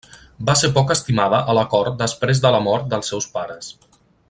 Va ser poc estimada a la cort després de la mort dels seus pares.